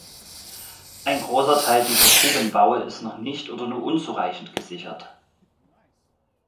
Ein großer Teil dieser Grubenbaue ist noch nicht oder nur unzureichend gesichert.